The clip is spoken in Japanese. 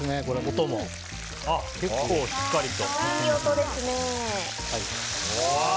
結構、しっかりと。